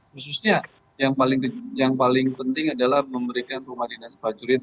khususnya yang paling penting adalah memberikan rumah dinas prajurit